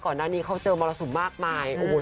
ก่อนหน้านี้เขาเจอมรสุมมากมาย